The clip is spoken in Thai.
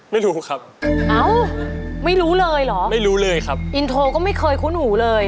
ไม่รู้ครับเอ้าไม่รู้เลยเหรอไม่รู้เลยครับอินโทรก็ไม่เคยคุ้นหูเลย